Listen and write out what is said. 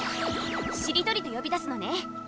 しりとりでよび出すのね。